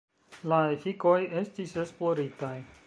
La efikoj estis esploritaj.